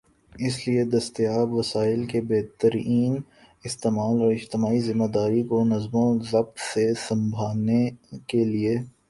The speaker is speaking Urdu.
اس لئے دستیاب وسائل کے بہترین استعمال اور اجتماعی ذمہ داری کو نظم و ضبط سے نبھانے کے لئے